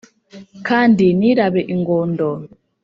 kandi nirabe ingondo